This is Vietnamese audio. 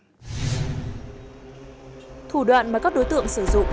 thủ đoạn mà các đối tượng sử dụng